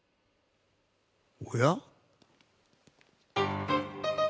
おや？